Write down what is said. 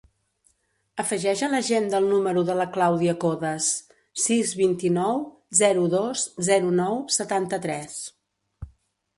Afegeix a l'agenda el número de la Clàudia Codes: sis, vint-i-nou, zero, dos, zero, nou, setanta-tres.